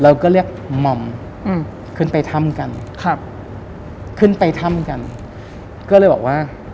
เราก็เรียกหม่อมอืมขึ้นไปถ้ำกันครับขึ้นไปถ้ำกันก็เลยบอกว่า